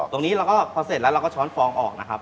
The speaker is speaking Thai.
ตรงนี้เราก็พอเสร็จแล้วเราก็ช้อนฟองออกนะครับ